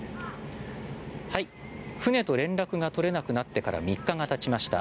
船と連絡が取れなくなってから３日がたちました。